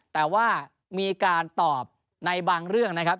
แต่ว่ามีการตอบในบางเรื่องนะครับ